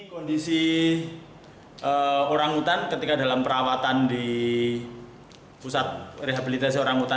kondisi orangutan ketika dalam perawatan di pusat rehabilitasi orangutan